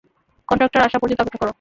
Contractor আসা পর্যন্ত অপেক্ষা কর।